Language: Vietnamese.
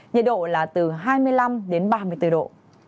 nhiệt độ là từ hai mươi năm đến ba mươi bốn độ